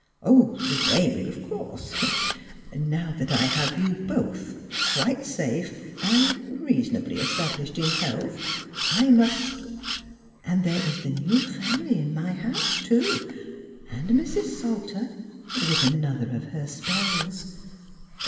" Oh, the baby, of course now that I have you both quite safe and er reasonably established in health I must "" And there is the new family in my house, too, and Mrs. Salter, with another of her spells."